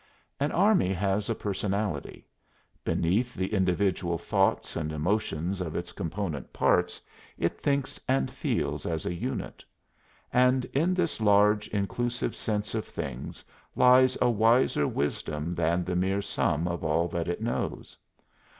An army has a personality. Beneath the individual thoughts and emotions of its component parts it thinks and feels as a unit. And in this large, inclusive sense of things lies a wiser wisdom than the mere sum of all that it knows.